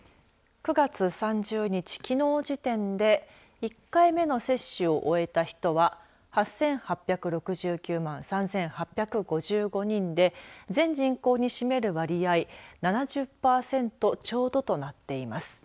９月３０日、きのう時点で１回目の接種を終えた人は８８６９万３８５５人で全人口に占める割合７０パーセントちょうどとなっています。